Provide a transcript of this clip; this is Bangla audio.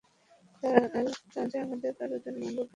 আর তা যে আমাদের কারো জন্য মঙ্গলজনক হবে না তা আপনি ভালো করেই জানেন।